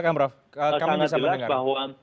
kamu bisa mendengar